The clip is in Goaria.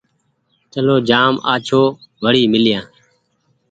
چلو جآم آڇو وري ميليآن ۔